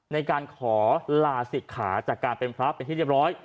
ในการขอลาศิกขาจากการเป็นพระเป็นที่เรียบร้อย